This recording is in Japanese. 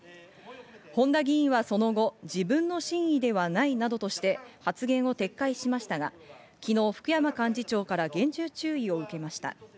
本多議員はその後、自分の真意ではないなどとして発言を撤回しましたが、昨日、福山幹事長から厳重注意を受けました。